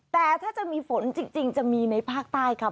แต่ถ้าจะมีฝนจริงจะมีในภาคใต้ครับ